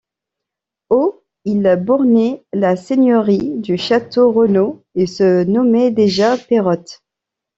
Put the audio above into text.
Au ils bornaient la seigneurie de Château-Renaud et se nommaient déjà Pérottes.